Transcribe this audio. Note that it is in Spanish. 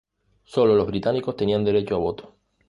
Solo los británicos tenían derecho a voto.